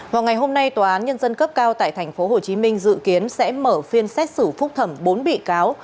vào ngày hôm nay tòa án nhân dân cấp cao tại tp hcm dự kiến sẽ mở phiên xét xử phúc thẩm bốn bị cáo